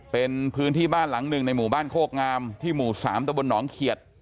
เป็นพื้นที่บ้านหลังหนึ่งในหมู่บ้านโคกงามที่หมู่๓ตะบนหนองเขียด